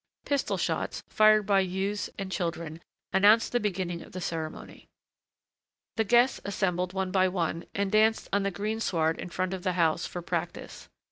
Pistol shots, fired by youths and children, announced the beginning of the ceremony. The guests assembled one by one and danced on the greensward in front of the house, for practice.